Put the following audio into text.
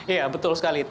iya betul sekali